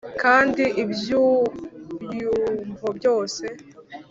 kandi ibyiyumvo byose